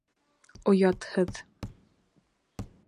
Оятһыҙ!..